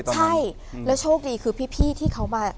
ใช่แล้วโชคดีคือพี่ที่เขามา